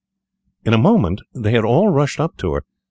In a moment they had all rushed up to her.